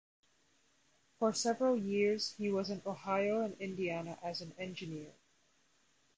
For several years he was in Ohio and Indiana as an engineer.